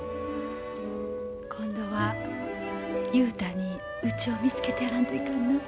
今度は雄太にうちを見つけてやらんといかんな。